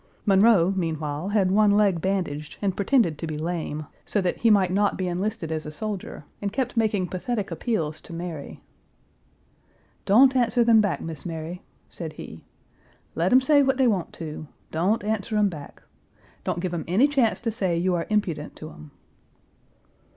Monroe meanwhile had one leg bandaged and pretended to be lame, Page 386 so that he might not be enlisted as a soldier, and kept making pathetic appeals to Mary. "Don't answer them back, Miss Mary," said he. "Let 'em say what dey want to; don't answer 'em back. Don't give 'em any chance to say you are impudent to 'em."